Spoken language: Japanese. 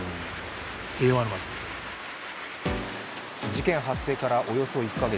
事件発生からおよそ１か月。